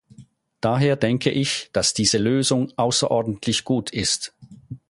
Daher denke ich, dass diese Lösung außerordentlich gut ist.